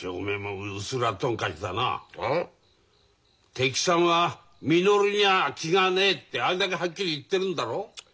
敵さんはみのりには気がねえってあれだけはっきり言ってるんだろ？